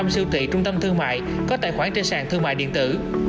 một trăm linh siêu thị trung tâm thương mại có tài khoản trên sàn thương mại điện tử